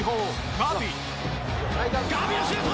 ガビのシュート！